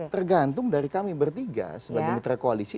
tergantung dari kami bertiga sebagai mitra koalisi